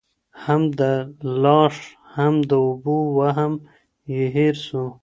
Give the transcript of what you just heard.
هم د لاښ هم د اوبو وهم یې هېر سو